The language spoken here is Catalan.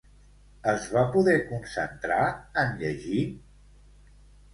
Es va poder concentrar en llegir?